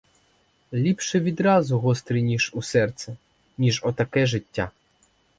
Ліпше відразу гострий ніж у серце, ніж отаке життя.